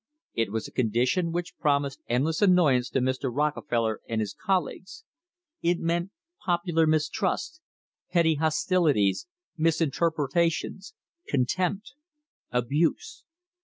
It was a condition which promised endless annoyance to Mr. Rockefeller and his colleagues. It meant popular mistrust, petty hostilities, misinterpretations, contempt, abuse.